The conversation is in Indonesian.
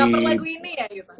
yang gak pernah lagu ini ya gitu